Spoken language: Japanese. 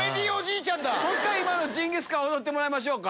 もう１回今の『ジンギスカン』踊ってもらいましょうか。